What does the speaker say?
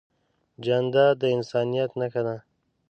جانداد د انسانیت نښه ده.